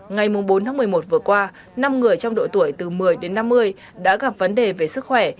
ngày bốn tháng một mươi một vừa qua năm người trong độ tuổi từ một mươi đến năm mươi đã gặp vấn đề về sức khỏe